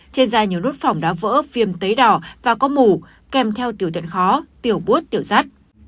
trên da nhiều đốt phỏng đã vỡ phim tấy đỏ và có mủ kèm theo tiểu tuyện khó tiểu bút tiểu rắt